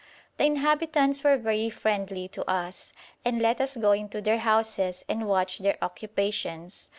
The inhabitants were very friendly to us, and let us go into their houses and watch their occupations.